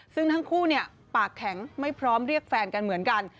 ซึ่งทั้งคู่ปากแข็งไม่พร้อมเรียกแฟนกันเหมือนกัน